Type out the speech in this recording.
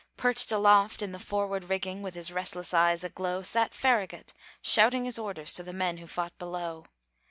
Perched aloft in the forward rigging, With his restless eyes aglow, Sat Farragut, shouting his orders To the men who fought below.